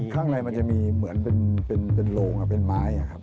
ข้างในมันจะมีเหมือนเป็นโรงเป็นไม้ครับ